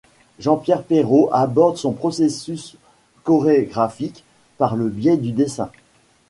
Jean-Pierre Perreault aborde son processus chorégraphique par le biais du dessin.